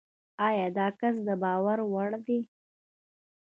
ایا داکس دباور وړ دی؟